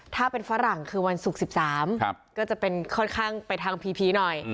ถ้าเป็นฝรั่งคือวันศุกร์๑๓ก็จะเป็นค่อนข้างไปทางพีหน่อย